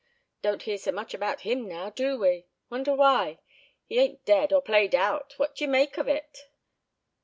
Don't hear so much about him now, do we? Wonder why? He ain't dead, or played out, what d'ye make of it?"